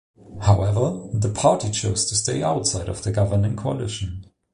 However, the party chose to stay outside of the governing coalition.